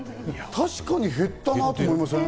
確かに減ったなと思いません？